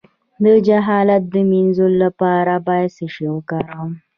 د جهالت د مینځلو لپاره باید څه شی وکاروم؟